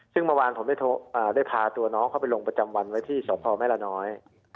ซึ่งเมื่อวานเราผ่านตัวน้องเข้าไปลงประจำวันที่ชอบพแม่ละน้อย